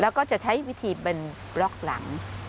แล้วก็จะใช้วิธีเป็นบล็อกหลัง